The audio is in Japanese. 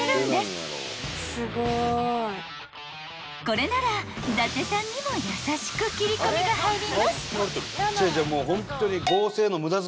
［これなら伊達さんにも優しく切り込みが入ります］